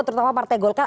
terutama partai golkar